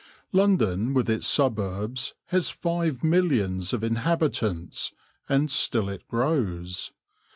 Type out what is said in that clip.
London with its suburbs has five millions of inhabitants, and still it grows.